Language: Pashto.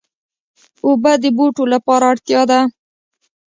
اوبه د بوټو لپاره اړتیا ده.